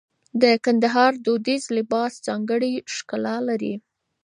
د کندهار دودیز لباس ځانګړی ښکلا لري.